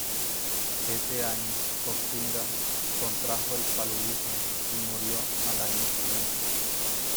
Ese año, Koxinga contrajo el paludismo y murió al año siguiente.